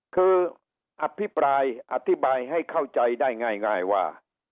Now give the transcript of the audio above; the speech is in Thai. คืออภิปรายอธิบายให้เข้าใจได้ง่ายว่า